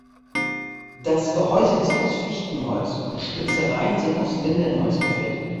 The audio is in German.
Das Gehäuse ist aus Fichtenholz, die Schnitzereien sind aus Lindenholz gefertigt.